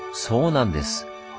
そうなんです。